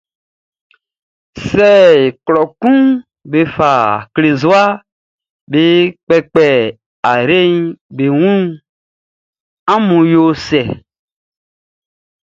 Sɛ amun kɔ klɔ kun mɔ be fa klenzua be kpɛkpɛ ayre nɲaʼm be nunʼn, amun yo cɛ.